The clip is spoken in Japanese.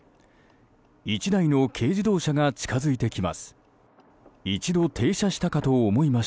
１台の軽自動車が近づいてきます。